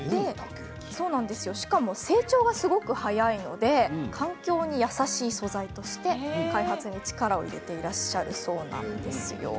しかも、竹は成長が早いので環境に優しい素材として開発に力を入れているそうです。